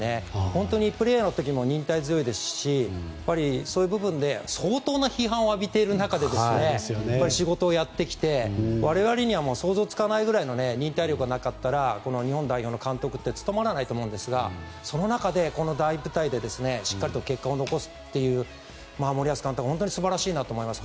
本当にプレーの時も忍耐強いですしそういう部分で相当な批判を浴びている中で仕事をやってきて我々には想像つかないぐらいの忍耐力がなかったら日本代表の監督って務まらないと思うんですがその中で、この大舞台でしっかりと結果を残すという森保監督は本当に素晴らしいと思います。